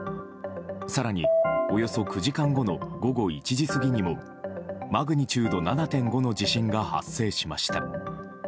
更に、およそ９時間後の午後１時過ぎにもマグニチュード７．５の地震が発生しました。